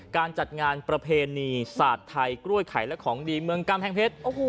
การจัดงานประเพณีศาสตร์ไทยกล้วยไข่และของดีเมืองกำแพงเพชร